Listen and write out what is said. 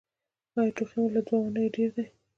ایا ټوخی مو له دوه اونیو ډیر دی؟